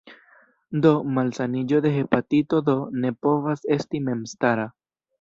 Do, malsaniĝo de hepatito D ne povas esti memstara.